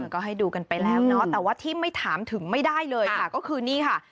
ก็ให้ดูกันไปแล้วเนาะแต่ว่าที่ไม่ถามถึงไม่ได้เลยค่ะก็คือนี่ค่ะ